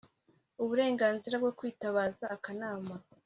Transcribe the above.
uburenganzira bwo kwitabaza Akanama